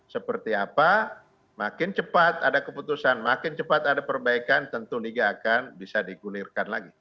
seperti apa makin cepat ada keputusan makin cepat ada perbaikan tentu liga akan bisa digulirkan lagi